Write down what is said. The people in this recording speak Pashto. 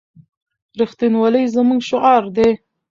رښتینولي زموږ شعار دی.